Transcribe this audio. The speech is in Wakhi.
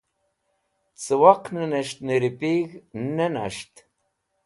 Cẽ waqnẽnẽs̃h nẽripig̃h ne nas̃ht.